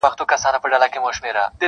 زۀ خپله خان یمه خان څۀ ته وایي -